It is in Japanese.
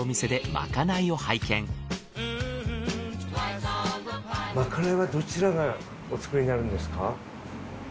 まかないはどちらがお作りになるんですか？